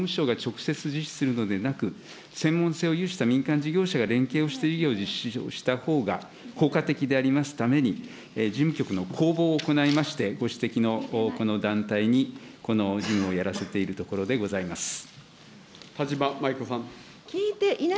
これを実施するにあたり、総務省が直接実施するのでなく、専門性を有した民間事業者が連携をして事業を実施したほうが効果的でありますために、事務局の公募を行いまして、ご指摘のこの団体に、この事務をやらせているところで田島麻衣子さん。